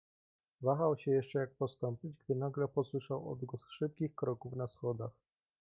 "Wahał się jeszcze jak postąpić, gdy nagle posłyszał odgłos szybkich kroków na schodach."